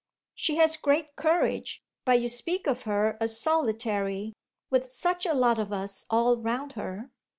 "She has great courage, but you speak of her as solitary with such a lot of us all round her?"